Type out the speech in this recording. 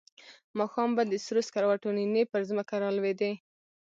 ماښام به د سرو سکروټو نینې پر ځمکه را لوېدې.